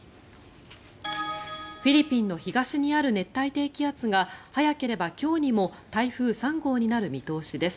フィリピンの東にある熱帯低気圧が、早ければ今日にも台風３号になる見通しです。